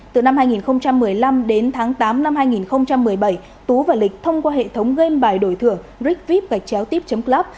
từ năm hai nghìn một mươi năm đến tháng tám năm hai nghìn một mươi bảy tú và lịch thông qua hệ thống game bài đổi thưởng rickvip gạch chéo tiếp club